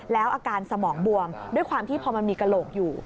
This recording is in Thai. แล้วอาการสมองบวมด้วยความที่พอมันมีกระโหลกอยู่